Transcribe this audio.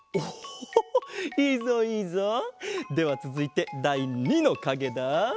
おいいぞいいぞ。ではつづいてだい２のかげだ。